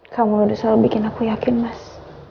kamu udah selalu bikin aku yakin mas